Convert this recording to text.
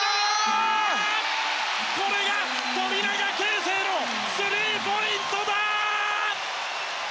これが富永啓生のスリーポイントだ！